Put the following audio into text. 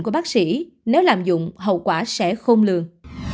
của bác sĩ nếu làm dụng hậu quả sẽ khôn lường